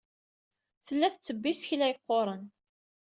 Tella tettebbi isekla yeqquren.